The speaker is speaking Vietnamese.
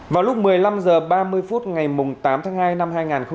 vào lúc một mươi năm h ba mươi phút ngày tám tháng hai năm hai nghìn hai mươi